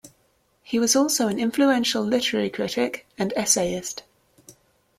He was also an influential literary critic and essayist.